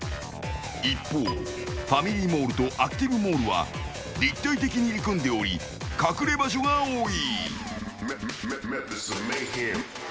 一方、ファミリーモールとアクティブモールは立体的に入り組んでおり隠れ場所が多い。